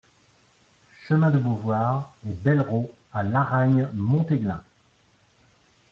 Chemin de Beauvoir et Bellerots à Laragne-Montéglin